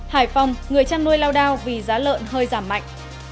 hải phòng người chăn nuôi lao đao vì giá lợn hơi giảm mạnh